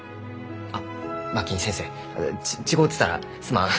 あ馬琴先生違うてたらすまん。